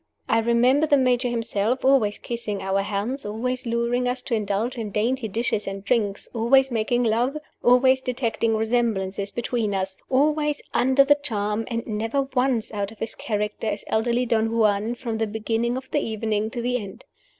I remember the Major himself, always kissing our hands, always luring us to indulge in dainty dishes and drinks, always making love, always detecting resemblances between us, always "under the charm," and never once out of his character as elderly Don Juan from the beginning of the evening to the end.